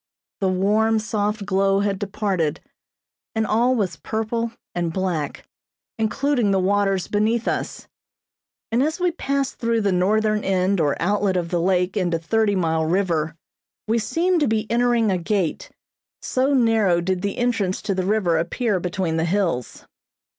The warm soft glow had departed, and all was purple and black, including the waters beneath us; and as we passed through the northern end or outlet of the lake into Thirty Mile River we seemed to be entering a gate, so narrow did the entrance to the river appear between the hills.